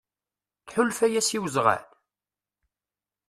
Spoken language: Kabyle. Tḥulfa-yas i wezɣal?